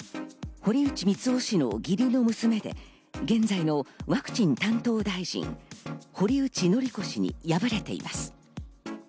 堀内光雄氏の義理の娘で、現在のワクチン担当大臣、堀内詔子氏に敗れています。